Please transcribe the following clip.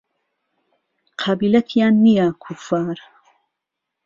قابیلهتیان نییه کوففار